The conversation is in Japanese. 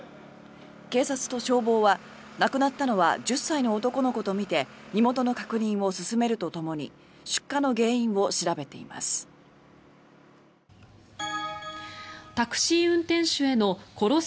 警察と消防は亡くなったのは１０歳の男の子とみて身元の確認を進めるとともに出火の原因を調べています。